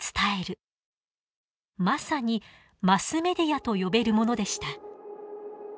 まさにマスメディアと呼べるものでした。